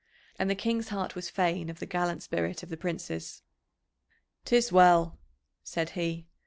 And the King's heart was fain of the gallant spirit of the Princes. "'Tis well," said he.